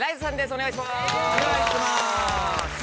お願いします。